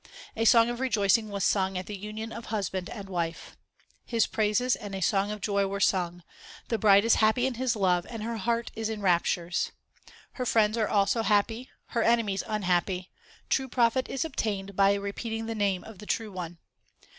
A song of rejoicing was sung at the union of Husband and wife. His praises and a song of joy were sung ; the bride is happy in His love and her heart is in raptures. Her friends are also happy, her enemies unhappy ; true profit is obtained by repeating the name of the True One.